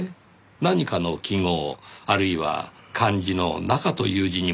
何かの記号あるいは漢字の「中」という字にも見えますが。